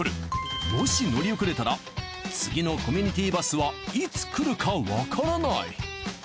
もし乗り遅れたら次のコミュニティバスはいつ来るかわからない。